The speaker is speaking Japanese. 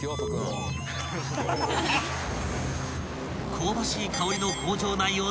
［香ばしい香りの工場内を］